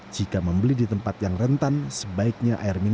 jika membeli di tempat yang rentan sebaiknya air minum